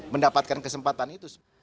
mendapatkan kesempatan itu